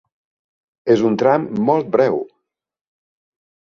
És un tram molt breu.